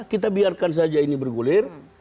kita biarkan saja ini bergulir